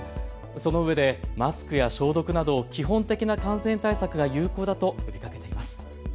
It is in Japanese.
そのうえでマスクや消毒など基本的な感染対策が有効だと呼びかけています。